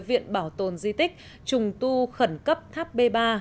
viện bảo tồn di tích trùng tu khẩn cấp tháp b ba